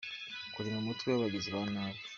– Kurema umutwe w’abagizi ba nabi,